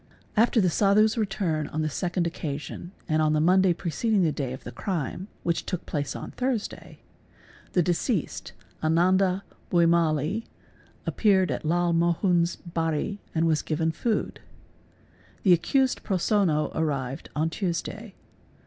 After the Sadhu's return on the second occasion and on the Monday preceding the day of the crime, which took place on _ Thursday, the deceased Ananda Bhuimali appeared at Lal Mohun's bari 4 and was given food. The accused Prosonno arrived on Tuesday.